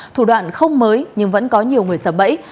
thủ đoạn không mới nhưng vẫn có nhiều người sợ bẫy